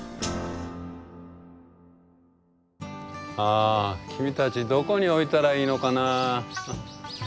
あ君たちどこに置いたらいいのかな？